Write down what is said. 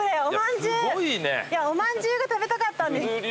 おまんじゅうが食べたかったんです。